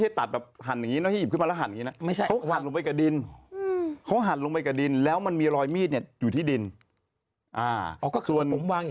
ใช้มีดไม่ใช่ใช่กันไกลจะตัดคือเอาผมวาง